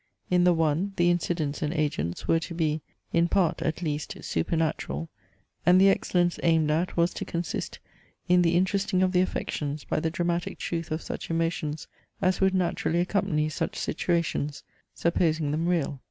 In the one, the incidents and agents were to be, in part at least, supernatural; and the excellence aimed at was to consist in the interesting of the affections by the dramatic truth of such emotions, as would naturally accompany such situations, supposing them real.